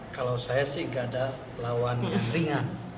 kalau saya sih gak ada lawan yang ringan